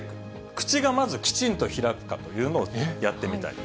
口がまずきちんと開くかというのをやってみたいと。